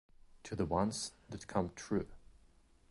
To the ones that come true.